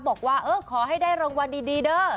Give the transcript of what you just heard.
บอกว่าเออขอให้ได้รางวัลดีเด้อ